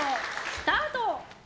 スタート！